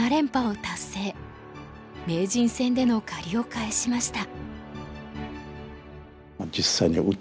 名人戦での借りを返しました。